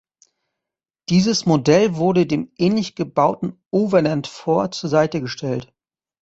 Dieses Modell wurde dem ähnlich gebauten Overland Four zur Seite gestellt.